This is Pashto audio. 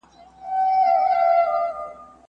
هیڅ ملت بشپړ نه وي.